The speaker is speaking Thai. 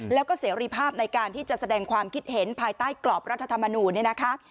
แล้วก็เสรีภาพในการที่จะแสดงความคิดเห็นภายใต้กรอบรัฐธรรมนูลเนี่ยนะคะ